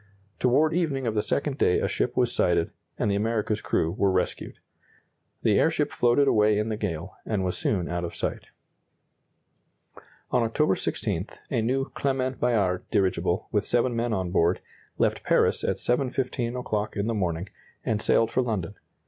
Toward evening of the second day a ship was sighted, and the America's crew were rescued. The airship floated away in the gale, and was soon out of sight. On October 16, a new Clement Bayard dirigible, with seven men on board, left Paris at 7.15 o'clock in the morning, and sailed for London.